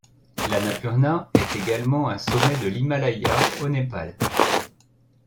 L'Annapurna est également un sommet de l'Himalaya au Népal.